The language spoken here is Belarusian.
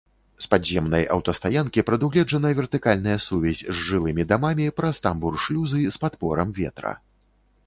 З падземнай аўтастаянкі прадугледжана вертыкальная сувязь з жылымі дамамі праз тамбур-шлюзы з падпорам паветра.